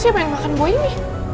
siapa yang makan buah ini